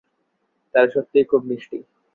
তারা সত্যিই খুব মিষ্টি।